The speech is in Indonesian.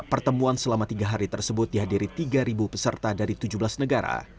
pertemuan selama tiga hari tersebut dihadiri tiga peserta dari tujuh belas negara